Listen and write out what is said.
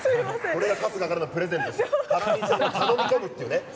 これが春日からのプレゼント。